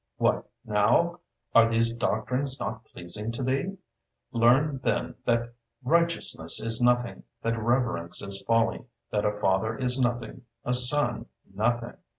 ——"What now? are these doctrines not pleasing to thee? Learn, then, that Righteousness is nothing, that Reverence is folly, that a father is nothing, a son nothing."